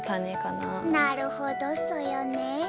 なるほどソヨね。